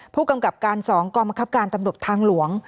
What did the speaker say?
ผู้กำกับการ๒กองบังคับการตำรวจทางหลวง